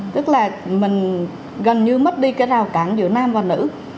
tức là mình gần như mất đi cái rào cản giữa nam và nữ